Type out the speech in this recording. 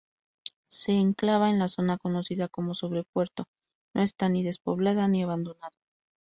Se enclava en la zona conocida como Sobrepuerto.No esta ni despoblado ni abandonado.